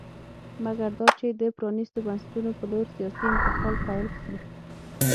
مګر دا چې د پرانېستو بنسټونو په لور سیاسي انتقال پیل کړي